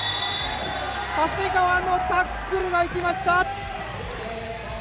長谷川のタックルがいきました！